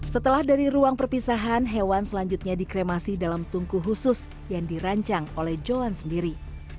setelah dari ruang perpisahan hewan selanjutnya dikremasi dalam tungku khusus yang dirancang oleh johan sendiri